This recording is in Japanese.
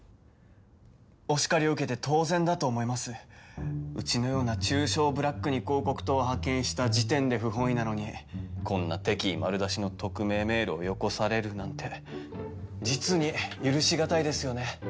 お叱りを受けて当然だと思いますうちのような中小ブラックに広告塔を派遣した時点で不本意なのにこんな敵意丸出しの匿名メールをよこされるなんて実に許しがたいですよね